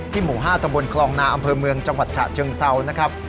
หมู่๕ตะบนคลองนาอำเภอเมืองจังหวัดฉะเชิงเซานะครับ